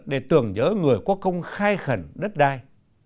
để tưởng nhớ người có công khai khẩn đất đai